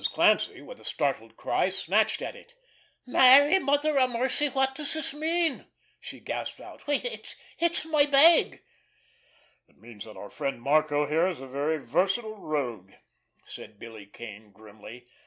Clancy, with a startled cry, snatched at it. "Mary, Mother of Mercy, what does this mean!" she gasped out. "It's—it's my bag!" "It means that our friend Marco here is a very versatile rogue," said Billy Kane grimly.